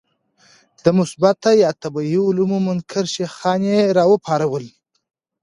د مثبته یا طبیعي علومو منکر شیخان یې راوپارول.